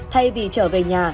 thay vì trở về nhà